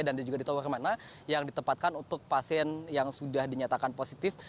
dan juga di tower mana yang ditempatkan untuk pasien yang sudah dinyatakan positif